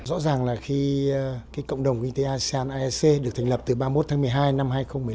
rõ ràng là khi cộng đồng kinh tế asean aec được thành lập từ ba mươi một tháng một mươi hai năm hai nghìn một mươi năm